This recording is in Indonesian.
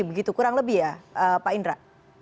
begitu kurang lebih ya pak indra